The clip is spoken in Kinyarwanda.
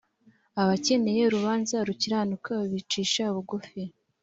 abakeneye urubanza rukiranuka bicisha bugufi.